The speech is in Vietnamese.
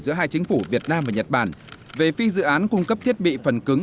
giữa hai chính phủ việt nam và nhật bản về phi dự án cung cấp thiết bị phần cứng